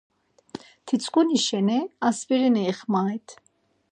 Titzǩuni şeni Aspirini ixmarit.